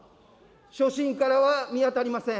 所信からは見当たりません。